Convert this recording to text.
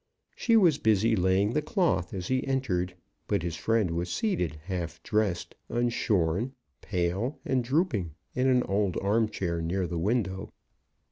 She was busy laying the cloth as he entered, but his friend was seated, half dressed, unshorn, pale, and drooping, in an old arm chair near the window.